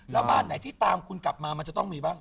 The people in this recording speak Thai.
แล้วบ้านไหนที่ตามคุณกลับมามันจะต้องมีบ้าง